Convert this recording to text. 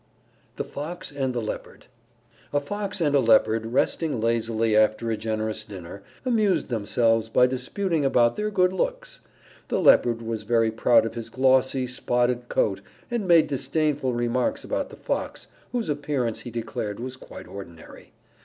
_ THE FOX AND THE LEOPARD A Fox and a Leopard, resting lazily after a generous dinner, amused themselves by disputing about their good looks. The Leopard was very proud of his glossy, spotted coat and made disdainful remarks about the Fox, whose appearance he declared was quite ordinary.